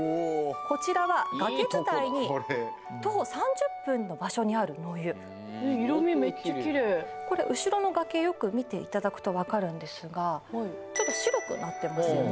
こちらは崖づたいに徒歩３０分の場所にある野湯これ後ろの崖よく見ていただくとわかるんですがちょっと白くなってますよね